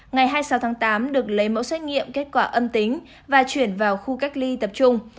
ngày hai mươi sáu tháng tám được lấy mẫu xét nghiệm kết quả âm tính và chuyển vào khu cách ly tập trung